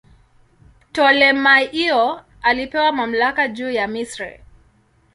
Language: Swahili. Ptolemaio alipewa mamlaka juu ya Misri.